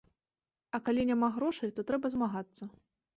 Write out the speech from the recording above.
А калі няма грошай, то трэба змагацца.